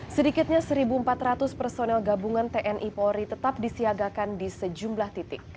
sedikitnya satu empat ratus personel gabungan tni polri tetap disiagakan di sejumlah titik